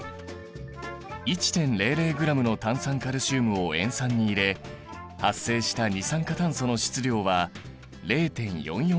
１．００ｇの炭酸カルシウムを塩酸に入れ発生した二酸化炭素の質量は０．４４ｇ。